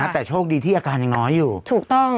แต่โชคดีที่อาการอย่างน้อยอยู่